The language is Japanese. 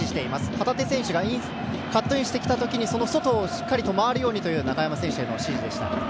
旗手選手がカットインしてきた時にその外をしっかりと回るようにという中山選手への指示でした。